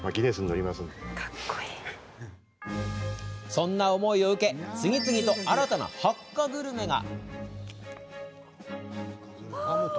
そんな思いを受け次々と新たなハッカグルメが。